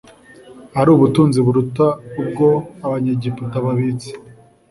ari ubutunzi buruta ubwo abanyegiputa babitse